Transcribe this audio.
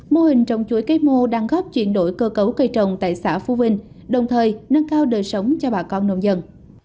mô hình trồng chuối cây mô đang góp chuyển đổi cơ cấu cây trồng tại xã phú vinh đồng thời nâng cao đời sống cho bà con nông dân